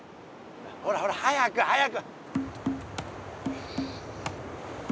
ほらほら早く早く！